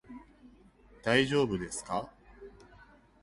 大丈夫ですか？